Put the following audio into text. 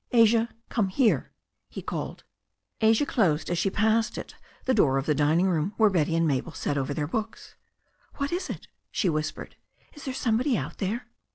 "Asia, come here," he called. Asia closed as she passed it the door of the dining room, where Betty and Mabel sat over their books. "What is it?" she whispered. "Is there somebody out there?"